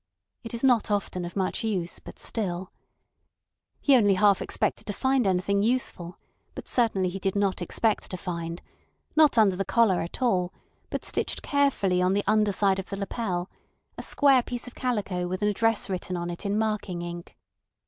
It is not often of much use, but still—He only half expected to find anything useful, but certainly he did not expect to find—not under the collar at all, but stitched carefully on the under side of the lapel—a square piece of calico with an address written on it in marking ink.